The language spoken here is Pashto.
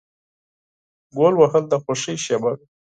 ګول وهل د خوښۍ شیبه وي.